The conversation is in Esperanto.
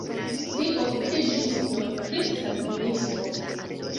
Li okupiĝis nur pri kalvinismo.